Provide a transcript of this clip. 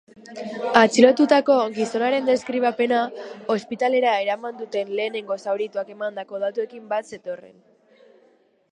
Atxilotutako gizonaren deskribapena, ospitalera eraman duten lehenengo zaurituak emandako datuekin bat zetorren.